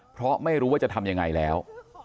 เพราะไม่รู้ว่าจะทำยังไงแล้ว